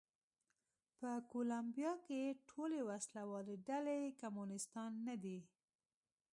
په کولمبیا کې ټولې وسله والې ډلې کمونېستان نه دي.